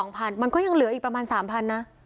๒๐๐๐บาทมันก็ยังเหลือประมาณ๓๐๐๐บาทนะ